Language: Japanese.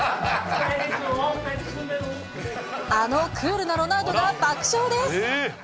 あのクールなロナウドが爆笑です。